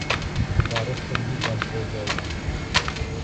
بارش جلدی بند ہو جائے گی۔